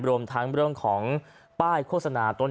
รวมทั้งร่วมของป้ายโครตสนาต้น